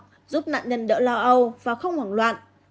giúp nạn nhân đỡ lo âu và không hoảng loạn